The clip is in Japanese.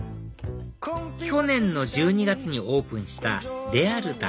去年の１２月にオープンしたＲＥＡＬＴＡ